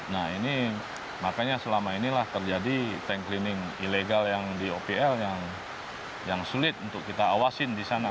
nah ini makanya selama inilah terjadi tank cleaning ilegal yang di opl yang sulit untuk kita awasin di sana